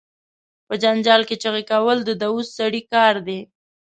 په جنجال کې چغې کول، د دووث سړی کار دي.